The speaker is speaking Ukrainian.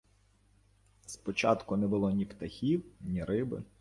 Спочатку не було, ні птахів, ні риби.